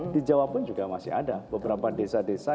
di jawa pun juga masih ada beberapa desa desa